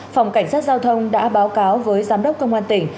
phòng cảnh sát giao thông đã báo cáo với giám đốc công an tỉnh